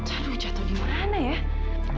aduh jatuh dimana ya